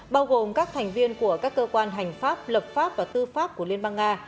bao gồm các thành viên của các cơ quan hành pháp lập pháp và tư pháp của liên bang nga